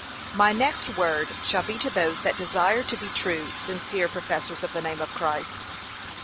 My next word shall be to those that desire to be true, sincere professors of the name of Christ.